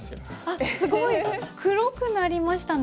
あっすごい黒くなりましたね。